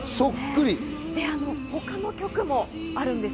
他の曲もあるんです。